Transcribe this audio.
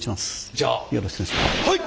じゃあはい！